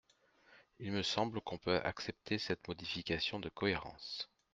Il me semble qu’on peut accepter cette modification de cohérence.